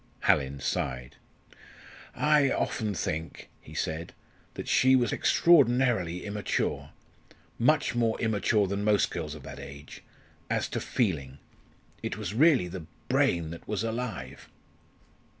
Hallin sighed. "I often think," he said, "that she was extraordinarily immature much more immature than most girls of that age as to feeling. It was really the brain that was alive."